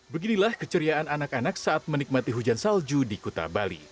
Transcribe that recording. beginilah keceriaan anak anak saat menikmati hujan salju di kuta bali